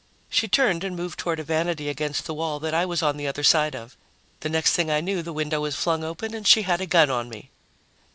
She turned and moved toward a vanity against the wall that I was on the other side of. The next thing I knew, the window was flung up and she had a gun on me.